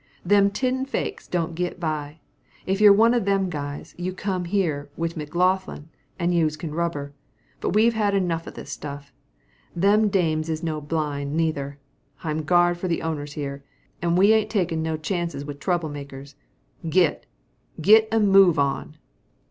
Them tin fakes don't git by. If you're one of them guys, you come here wit' McLaughlin, and youse can rubber. But we've had enough of this stuff. Them dames is no blind, neither. I'm guard for the owners here, and we ain't takin' no chances wit' trouble makers git. Git a move on!"